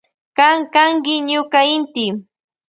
Kan kanki ñuka inti.